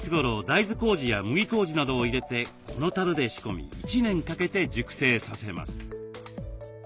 大豆こうじや麦こうじなどを入れてこのたるで仕込み１年かけて熟成させます。